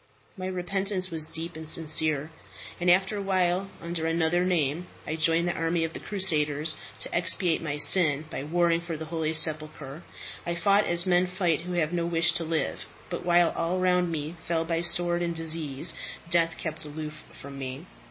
"My repentance was deep and sincere; and after a while, under another name, I joined the army of the crusaders, to expiate my sin by warring for the holy sepulchre. I fought as men fight who have no wish to live; but while all around me fell by sword and disease, death kept aloof from me.